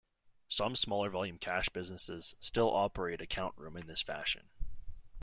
Some smaller volume cash businesses still operate a count room in this fashion.